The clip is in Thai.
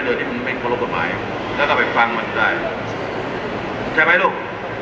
โดยที่มันไม่เคารพกฎหมายแล้วก็ไปฟังมันได้ใช่ไหมลูก